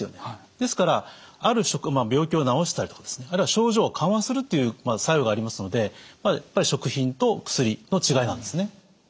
ですから病気を治したりとかあるいは症状を緩和するっていう作用がありますのでやっぱり食品と薬の違いなんですね。